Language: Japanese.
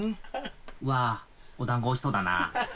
うわお団子おいしそうだな。